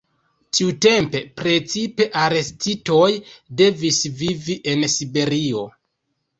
Tiutempe precipe arestitoj devis vivi en Siberio.